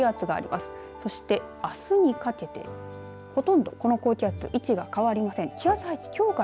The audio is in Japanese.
そして、あすにかけてほとんどこの高気圧位置が変わりません。